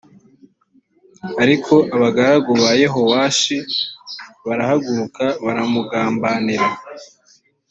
ariko abagaragu ba yehowashi barahaguruka baramugambanira